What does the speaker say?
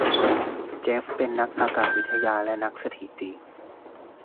เจฟฟ์เป็นนักอากาศวิทยาและนักสถิติ